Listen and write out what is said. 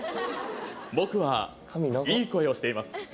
僕はいい声をしています。